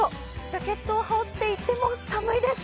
ジャケットを羽織っていても寒いです。